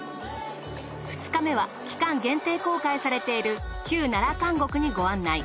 ２日目は期間限定公開されている旧奈良監獄にご案内。